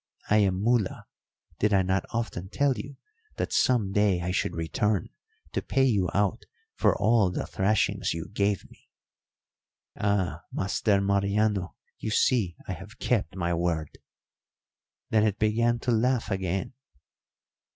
I am Mula; did I not often tell you that some day I should return to pay you out for all the thrashings you gave me? Ah, Master Mariano, you see I have kept my word!' Then it began to laugh again.